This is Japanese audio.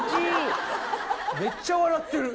めっちゃ笑ってる！